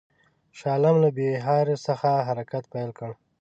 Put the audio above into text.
شاه عالم له بیهار څخه حرکت پیل کړ.